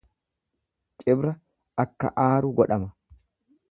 Cibra akka aaru godhama.